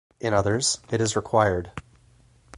In others it is required.